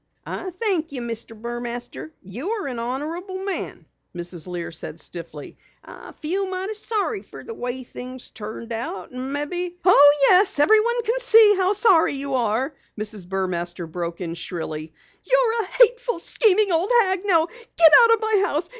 "I thank you, Mr. Burmaster, you're an honorable man," Mrs. Lear said stiffly. "I feel mighty sorry fer the way things turned out. Maybe " "Oh, yes, everyone can see that you're sorry!" Mrs. Burmaster broke in shrilly. "You're a hateful, scheming old hag. Now get out of my house!